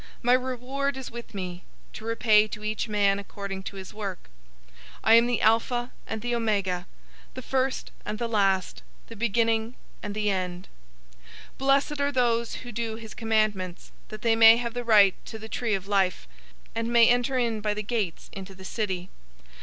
My reward is with me, to repay to each man according to his work. 022:013 I am the Alpha and the Omega, the First and the Last, the Beginning and the End. 022:014 Blessed are those who do his commandments, that they may have the right to the tree of life, and may enter in by the gates into the city.